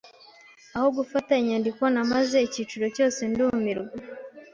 Aho gufata inyandiko, namaze icyiciro cyose ndumirwa.